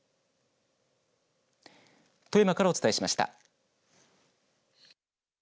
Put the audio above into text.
富山からお伝えしました。